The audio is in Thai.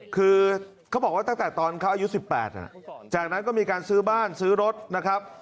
คือเขาบอกว่าตั้งแต่ตอนเขาอายุ๑๘จากนั้นก็มีการซื้อบ้านซื้อรถนะครับ